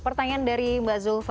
pertanyaan dari mbak zulfa